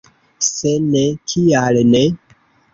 Se ne, kial ne?